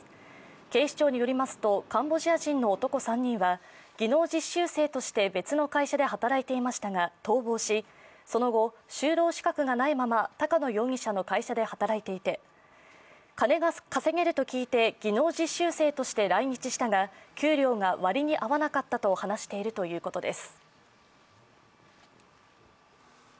警視庁によりますと、カンボジア人の男３人は技能実習生として別の会社で働いていましたが逃亡しその後、就労資格がないまま鷹野容疑者の会社で働いていて、金が稼げると聞いて技能実習生として来日したが給料が割に合わなかったと話しているということです。